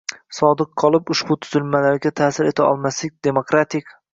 sodiq qolib ushbu tuzilmalarga ta’sir eta olmaslik, demokratik